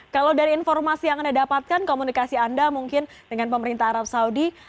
kalau dari informasi yang anda dapatkan komunikasi anda mungkin dengan pemerintah arab saudi